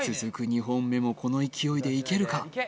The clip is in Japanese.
２本目もこの勢いでいけるか？